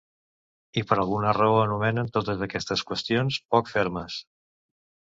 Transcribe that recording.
I per alguna raó anomenem totes aquestes qüestions poc fermes.